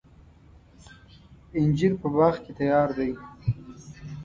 انجیر په باغ کې تیار دی.